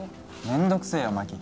面倒くせえよ槙。